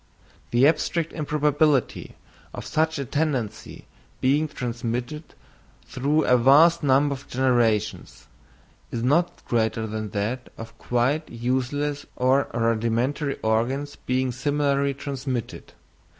The abstract improbability of such a tendency being transmitted through a vast number of generations, is not greater than that of quite useless or rudimentary organs being similarly transmitted.